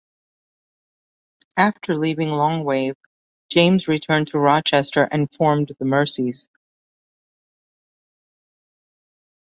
After leaving Longwave, James returned to Rochester and formed the Mercies.